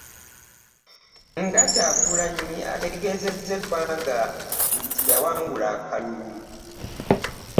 Nga Kyagulanyi ategeezezza eggwanga nti yawangula akalulu